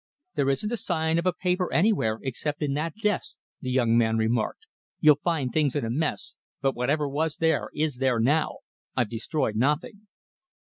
"There isn't a sign of a paper anywhere, except in that desk," the young man remarked. "You'll find things in a mess, but whatever was there is there now. I've destroyed nothing."